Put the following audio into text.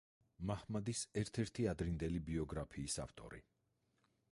მაჰმადის ერთ-ერთი ადრინდელი ბიოგრაფიის ავტორი.